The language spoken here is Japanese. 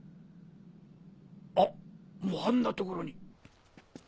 あっもうあんな所に！